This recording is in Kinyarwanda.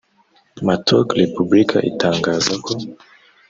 Matooke Republic itangaza ko